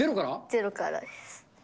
ゼロからです。